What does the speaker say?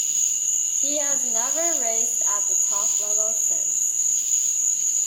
He has never raced at the top level since.